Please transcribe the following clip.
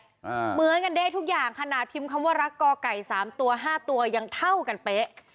เหมือนกันเด๊ะทุกอย่างขนาดพิมพ์คำว่ารักกอไก่สามตัวห้าตัวยังเท่ากันเป๊ะ